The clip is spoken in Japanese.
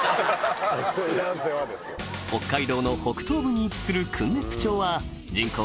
北海道の北東部に位置する訓子府町は人口